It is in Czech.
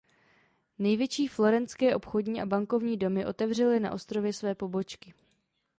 Největší florentské obchodní a bankovní domy otevřely na ostrově své pobočky.